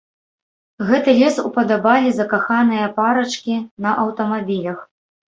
Гэты лес упадабалі закаханыя парачкі на аўтамабілях.